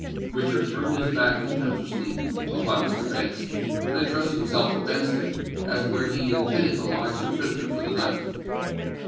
Richard turned his back contemptuously upon Mr. Banks, and, addressing himself to Benstead, asked where he intended to lodge the prisoner for the night.